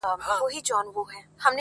څنګ پۀ څنګ سبحان الله